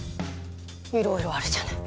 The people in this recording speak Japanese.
いろいろあるじゃない。